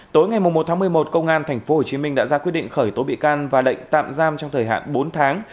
tối ngày một tháng một mươi một công an tp hcm đã ra quyết định khởi tố bị can và lệnh tạm giam trong thời hạn bốn tháng